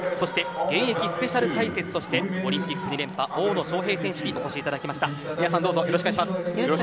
現役スペシャル解説としてオリンピック２連覇大野将平選手にお越しいただきました。